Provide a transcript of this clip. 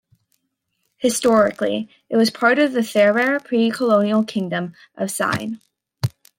Historically, it was part of the Serer pre-colonial Kingdom of Sine.